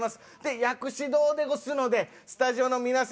薬師堂ですのでスタジオの皆さん